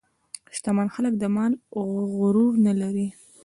شتمن خلک د مال غرور نه لري.